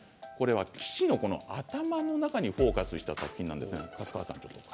棋士の頭の中にフォーカスした作品です。